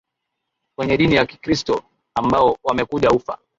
kwenye dini ya kikristo ambao wamekuja ufa